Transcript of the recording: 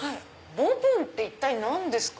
ボブンって一体何ですか？